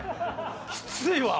きついわ！